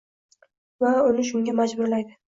va uni shunga “majburlaydi”